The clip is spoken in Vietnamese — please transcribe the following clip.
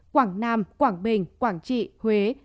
quảng nam quảng bình quảng trị huế